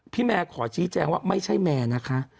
แม่ขอชี้แจงว่าไม่ใช่แมร์นะคะ